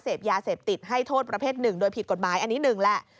เสพยาเสพติดให้โทษประเภทหนึ่งโดยผิดกฎหมายอันนี้หนึ่งแหละ